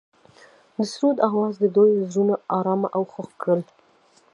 د سرود اواز د دوی زړونه ارامه او خوښ کړل.